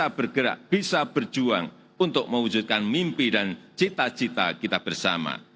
kita bergerak bisa berjuang untuk mewujudkan mimpi dan cita cita kita bersama